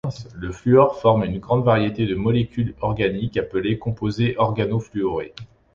Le fluor forme une grande variété de molécules organiques appelées composé organofluoré.